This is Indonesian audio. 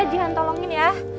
jihan tolongin ya